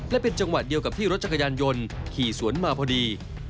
และเป็นจังหวะเดียวกับที่รถจักรยานยนต์ขี่สวนมาพอดี